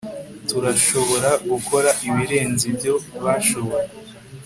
turashobora gukora ibirenze ibyo bashoboye